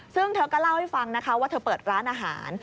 ซึ่งเธอก็เล่าให้ฟังนะคะว่าเธอเปิดร้านอาหาร